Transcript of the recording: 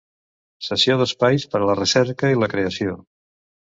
Cessió d'espais per a la recerca i la creació.